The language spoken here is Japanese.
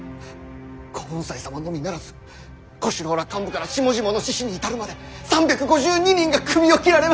耕雲斎様のみならず小四郎ら幹部から下々の志士に至るまで３５２人が首を斬られました。